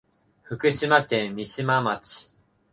福島県三島町